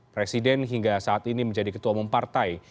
presiden hingga saat ini menjadi ketua umum partai